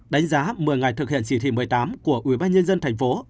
đánh giá một mươi ngày thực hiện chỉ thị một mươi tám của ubnd tp